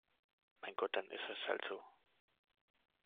Mein Gott, dann ist es halt so!